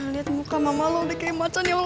lihat muka mama lo udah kayak macan ya